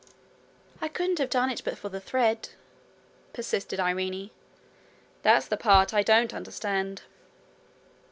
'I couldn't have done it but for the thread,' persisted Irene. 'That's the part I don't understand.'